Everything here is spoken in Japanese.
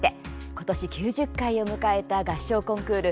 今年９０回を迎えた合唱コンクール